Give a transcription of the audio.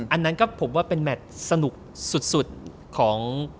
อันนั้นก็ผมว่าเป็นแมทสนุกสุดของ